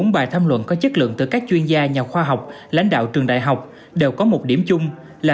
bốn bài tham luận có chất lượng từ các chuyên gia nhà khoa học lãnh đạo trường đại học đều có một điểm chung là